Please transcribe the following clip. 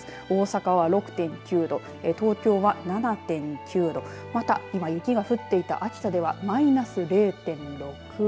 大阪は６．９度東京は７．９度また今雪が降っていた秋田ではマイナス０．６度。